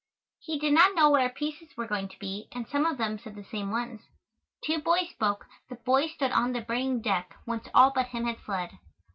He did not know what our pieces were going to be and some of them said the same ones. Two boys spoke: "The boy stood on the burning deck, whence all but him had fled."